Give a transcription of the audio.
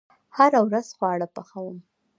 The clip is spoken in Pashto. هره ورځ خواړه پخوم